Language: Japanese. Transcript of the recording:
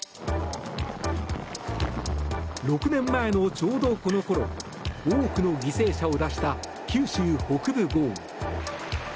６年前の、ちょうどこのころ多くの犠牲者を出した九州北部豪雨。